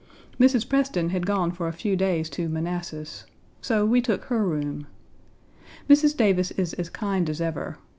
Mrs. Preston had gone for a few days to Manassas. So we took her room. Mrs. Davis is as kind as ever.